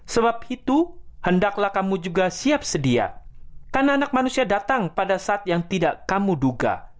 sebab itu hendaklah kamu juga siap sedia karena anak manusia datang pada saat yang tidak kamu duga